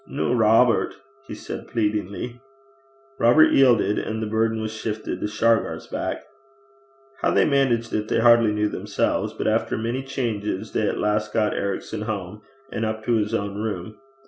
'Noo, Robert,' he said, pleadingly. Robert yielded, and the burden was shifted to Shargar's back. How they managed it they hardly knew themselves; but after many changes they at last got Ericson home, and up to his own room.